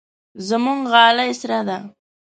زموږ غالۍ سره ده.